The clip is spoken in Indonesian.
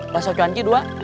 bahasa cuanji dua